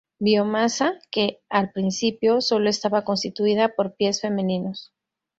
Biomasa, que, al principio, sólo estaba constituida por pies femeninos.